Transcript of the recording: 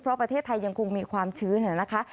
เพราะประเทศไทยยังคงมีความชื้นนะคะ